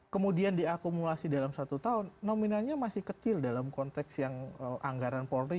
kemudian diakumulasi dalam satu tahun nominalnya masih kecil dalam konteks yang anggaran polri